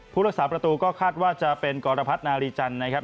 รักษาประตูก็คาดว่าจะเป็นกรพัฒนารีจันทร์นะครับ